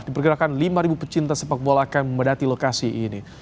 diperkirakan lima pecinta sepak bola akan memadati lokasi ini